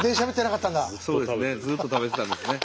そうですねずっと食べてたんですね